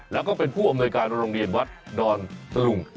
แล้วก็เป็นผู้อำนวยการโรงเรียนวัดดอนตะลุง